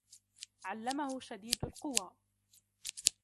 عَلَّمَهُ شَدِيدُ الْقُوَى